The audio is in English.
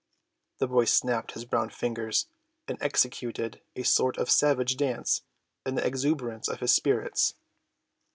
The boy snapped his brown fingers and executed a sort of savage dance in the exuberance of his spirits.